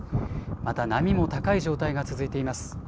また波も高い状態が続いています。